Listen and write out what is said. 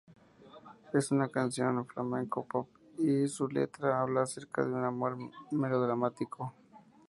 Es una canción flamenco-pop y su letra habla acerca de un amor melodramático.